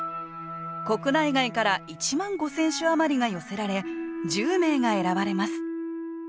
国内外から１万５，０００首余りが寄せられ１０名が選ばれます